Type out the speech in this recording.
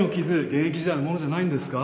現役時代のものじゃないんですか？